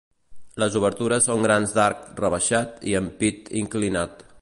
Les obertures són grans d'arc rebaixat i ampit inclinat.